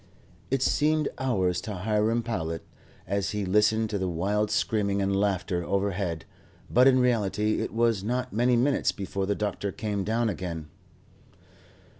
It seemed hours to Hiram Powlett, as he listened to the wild screaming and laughter overhead, but in reality it was not many minutes before the doctor came down again.